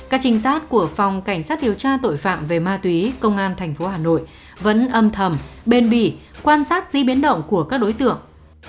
các trinh sát của phòng cảnh sát điều tra tội phạm về ma túy công an tp hà nội vẫn âm thầm bền bỉ quan sát di biến động của các đối tượng